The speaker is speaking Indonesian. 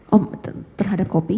oh terhadap kopi